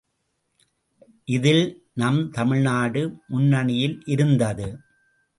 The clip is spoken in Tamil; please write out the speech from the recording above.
இதில் நம் தமிழ் நாடு முன்னணியில் இருந்தது.